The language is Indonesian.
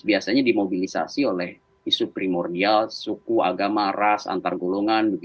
biasanya dimobilisasi oleh isu primordial suku agama ras antar golongan